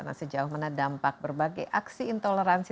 nah sejauh mana dampak berbagai aksi intoleransi